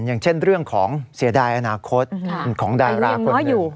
อย่างเช่นเรื่องของเสียดายอนาคตของดาราคนหนึ่ง